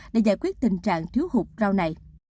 để giải quyết tình trạng thiếu hụt rau này